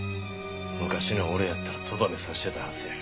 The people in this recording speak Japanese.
昔の俺やったらとどめ刺してたはずや。